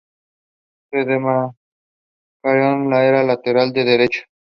Su demarcación era la de lateral derecho.